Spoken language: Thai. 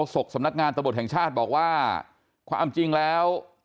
ร้องโฆษกสำนักงานตะบดแห่งชาติบอกว่าความจริงแล้ว